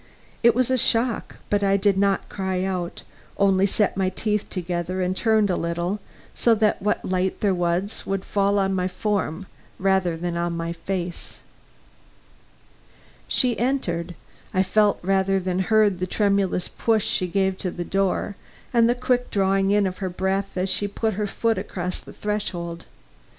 It was a shock but I did not cry out only set my teeth together and turned a little so that what light there was would fall on my form rather than on my face. She entered; I felt rather than heard the tremulous push she gave to the door, and the quick drawing in of her breath as she put her foot across the threshold.